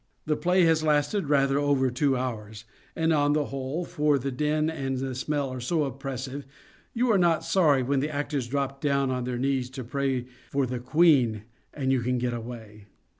The play has lasted rather over two hours, and on the whole — for the din and smell are so oppressive — ^you are not sorry when the actors drop down on their knees to pray for the Queen and you can get away.